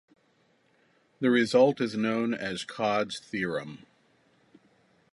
This result is known as Codd's theorem.